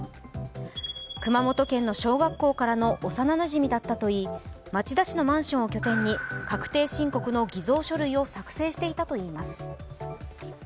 熊本県の小学校からの幼なじみだったといい、町田市のマンションを拠点に確定申告の偽造書類を作成していたといいます。